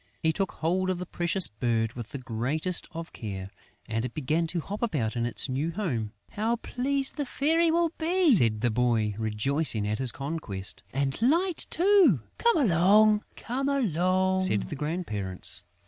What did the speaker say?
He took hold of the precious bird with the greatest of care; and it began to hop about in its new home. "How pleased the Fairy will be!" said the boy, rejoicing at his conquest. "And Light too!" "Come along," said the grandparents.